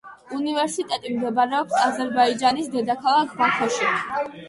უნივერსიტეტი მდებარეობს აზერბაიჯანის დედაქალაქ ბაქოში.